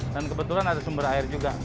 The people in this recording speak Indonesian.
dan kebetulan ada sumber air juga